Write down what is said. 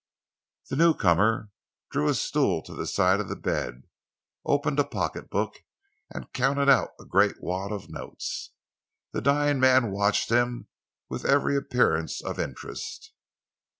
The newcomer drew a stool to the side of the bed, opened a pocketbook and counted out a great wad of notes. The dying man watched him with every appearance of interest.